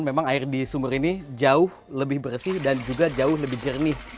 memang air di sumur ini jauh lebih bersih dan juga jauh lebih jernih